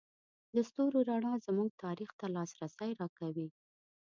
د ستورو رڼا زموږ تاریخ ته لاسرسی راکوي.